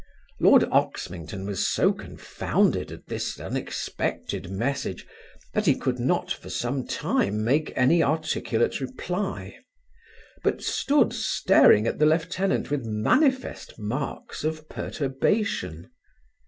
Lord Oxmington was so confounded at this unexpected message, that he could not, for some time, make any articulate reply; but stood staring at the lieutenant with manifest marks of perturbation.